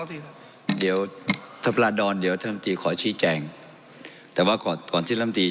อาทิตย์ครับเดี๋ยวธจะขอชี้แจงแต่ว่าก่อนที่